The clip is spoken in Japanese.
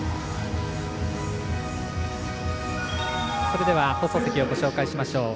それでは放送席をご紹介しましょう。